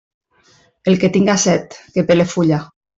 El que tinga set, que pele fulla.